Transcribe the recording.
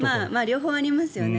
両方ありますよね。